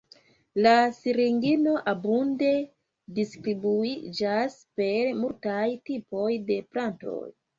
La siringino abunde distribuiĝas per multaj tipoj de plantoj.